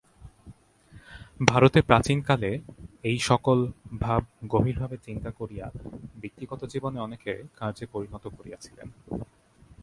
ভারতে প্রাচীনকালে এই-সকল ভাব গভীরভাবে চিন্তা করিয়া ব্যক্তিগত জীবনে অনেকে কার্যে পরিণত করিয়াছিলেন।